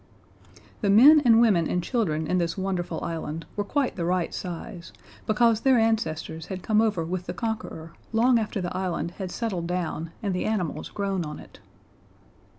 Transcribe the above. The men and women and children in this wonderful island were quite the right size, because their ancestors had come over with the Conqueror long after the island had settled down and the animals grown on it.